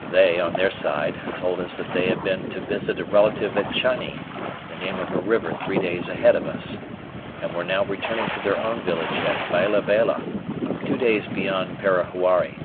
They, on their side, told us that they had been to visit a relative at Chani, the name of a river three days ahead of us, and were now returning to their own village at Baila baila, two days beyond Parahuari.